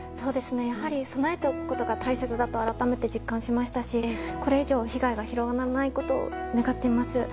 やはり備えておくことが大切だと実感しましたし、これ以上被害が広がらないことを願っています。